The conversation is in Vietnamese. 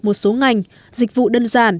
một số ngành dịch vụ đơn giản